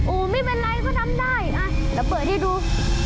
โอ้ไม่เป็นไรก็ทำได้ระเบิดให้ดู